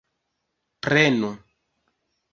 prenu